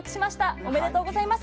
おめでとうございます。